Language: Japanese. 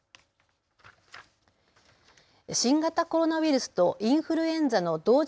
新型コロナウイルスとインフルエンザの同時